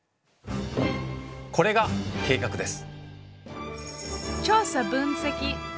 これが「計画」です。